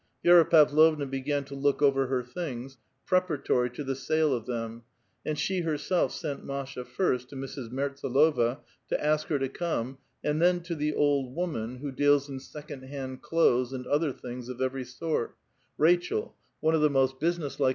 Vi^ra Pavlovha began to look over her things, l^reparatory to the sale of them, and she herself sent Masha ^rst to Mrs. MertsAlova, to ask her to come, and then to the ^^Id woman ^ who deals in second hand clothes and other ti&^ings of every sort, Rachel, one of the most business like * Torgovka. 270 A VITAL QUESTION.